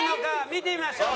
見てみましょう。